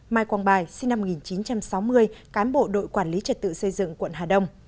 mai quang bài sinh năm một nghìn chín trăm sáu mươi cán bộ đội quản lý trật tự xây dựng quận hà đông